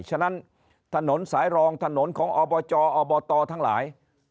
ฉะนั้นถนนสายรองถนนของอบจอบตทั้งหลาย